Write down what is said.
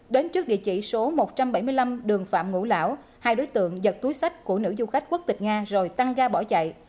đến trước địa chỉ số một trăm bảy mươi năm đường phạm ngũ lão hai đối tượng giật túi sách của nữ du khách quốc tịch nga rồi tăng ga bỏ chạy